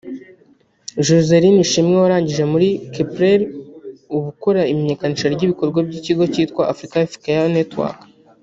Joselyne Ishimwe warangije muri Kepler ubu ukora imenyekanisha ry’ibikorwa by’ikigo cyitwa Africa Health Care Network